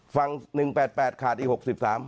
ฝั่ง๑๘๘ขาดอีก๖๓